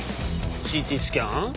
ＣＴスキャン？